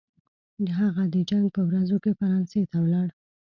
هغه د جنګ په ورځو کې فرانسې ته ولاړ.